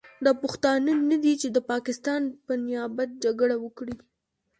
دا پښتانه نه دي چې د پاکستان په نیابت جګړه وکړي.